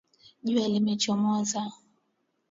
Jua limechomoza.